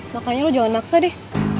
makanya lo jangan maksa deh